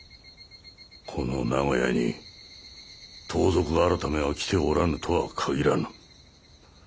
この名古屋に盗賊改が来ておらぬとは限らぬ。